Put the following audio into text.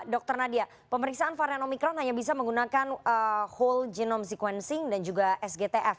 dr nadia pemeriksaan varian omikron hanya bisa menggunakan whole genome sequencing dan juga sgtf